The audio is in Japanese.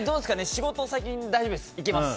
仕事、最近、大丈夫です。